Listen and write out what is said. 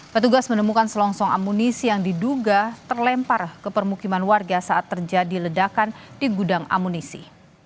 petugas menemukan selongsong amunisi yang diduga terlempar ke permukiman warga saat terjadi ledakan di gudang amunisi